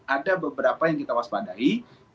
ada beberapa yang kita waspadai